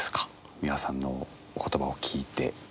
美輪さんのお言葉を聞いて。